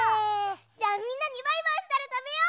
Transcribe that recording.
じゃあみんなにバイバイしたらたべよう！